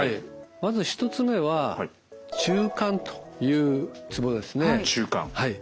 まず１つ目は中というツボですねはい。